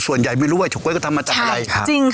ส่วนใหญ่ไม่รู้ว่าเฉาก๊วก็ทำมาจากอะไร